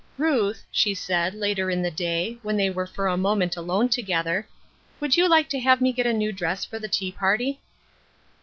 " Ruth," she said, later in the day, when they were for a moment alone together " would you like to have me get a new dress for the tea party?"